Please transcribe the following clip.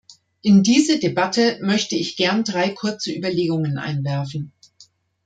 In diese Debatte möchte ich gern drei kurze Überlegungen einwerfen.